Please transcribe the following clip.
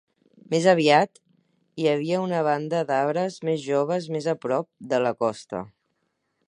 Més aviat, hi havia una banda d'arbres més joves més a prop de la costa.